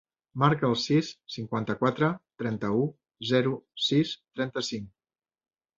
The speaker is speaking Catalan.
Marca el sis, cinquanta-quatre, trenta-u, zero, sis, trenta-cinc.